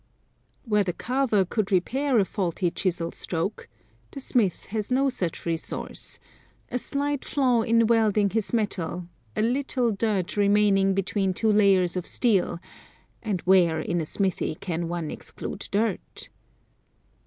Where the carver could repair a faulty chisel stroke the smith has no such resource, a slight flaw in welding his metal, a little dirt remaining between two layers of steel, and where in a smithy can one exclude dirt?